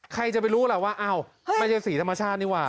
ใครจะไปรู้ล่ะว่าอ้าวไม่ใช่สีธรรมชาตินี่ว่